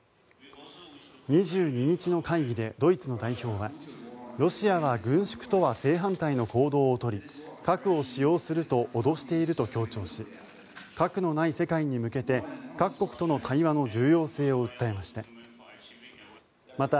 ２２日の会議でドイツの代表はロシアは軍縮とは正反対の行動を取り核を使用すると脅していると強調し核のない世界に向けて各国との対話の重要性を訴えました。